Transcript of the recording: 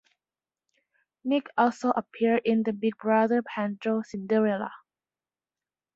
Nick also appeared in the Big Brother Panto Cinderella.